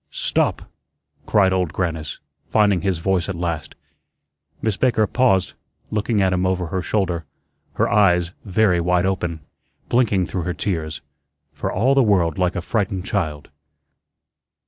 "Stop," cried Old Grannis, finding his voice at last. Miss Baker paused, looking at him over her shoulder, her eyes very wide open, blinking through her tears, for all the world like a frightened child.